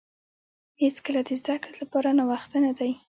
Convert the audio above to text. هیڅکله د زده کړې لپاره ناوخته نه دی.